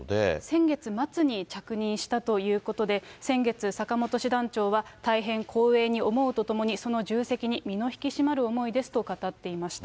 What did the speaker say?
先月末に着任したということで、先月、坂本師団長は大変光栄に思うとともに、その重責に、身の引き締まる思いですと語っていました。